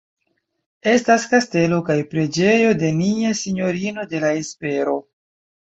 Estas kastelo kaj preĝejo de Nia Sinjorino de la Espero.